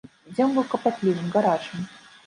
Дзень быў капатлівым, гарачым.